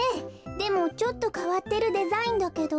でもちょっとかわってるデザインだけど。